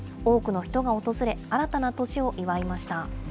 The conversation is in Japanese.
多くの人が訪れ、新たな年を祝いました。